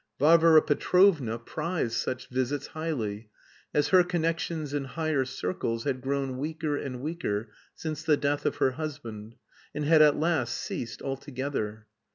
Varvara Petrovna prized such visits highly, as her connections in higher circles had grown weaker and weaker since the death of her husband, and had at last ceased altogether.